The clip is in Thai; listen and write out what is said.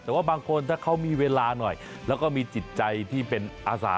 แต่ว่าบางคนถ้าเขามีเวลาหน่อยแล้วก็มีจิตใจที่เป็นอาสา